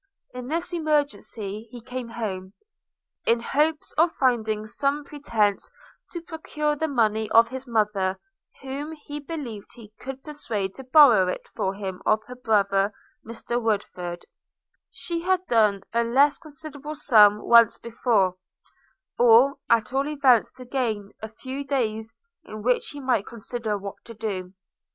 In this emergency he came home, in hopes of finding some pretence to procure the money of his mother, whom he believed he could persuade to borrow it for him of her brother Mr Woodford, as she had done a less considerable sum once before; or at all events to gain a few days, in which he might consider what to do.